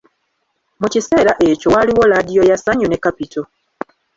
Mu kiseera ekyo waaliwo laadiyo ya Ssanyu ne Capital.